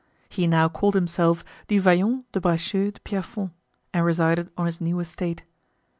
He now called himself Du Vallon de Bracieux de Pierrefonds, and resided on his new estate.